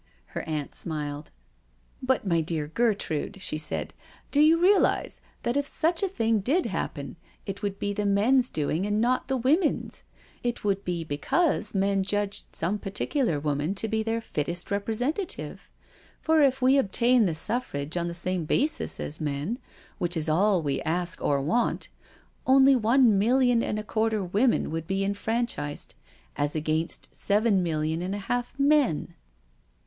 Her aunt smiled. *• But, my dear Gertrude," she said, do you realise that if such a thing did happen it would be the men's doing and not the women's? It would be because men judged some particular woman to be their fittest rep resentative? For if we obtain the suffrage on the same basis as men, which is all we ask or want, only one million and a quarter women would be enfranchised as against seven million and a half men.'